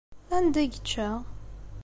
Anda ay yečča?